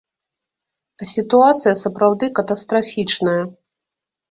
А сітуацыя сапраўды катастрафічная.